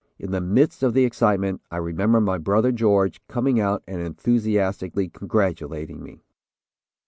In the midst of the excitement, I remember my brother, George, coming out and enthusiastically congratulating me.